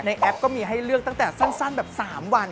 แอปก็มีให้เลือกตั้งแต่สั้นแบบ๓วัน